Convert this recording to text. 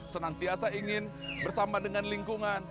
senantiasa ingin bersama dengan lingkungan